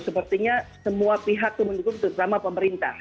sepertinya semua pihak itu mendukung itu sama pemerintah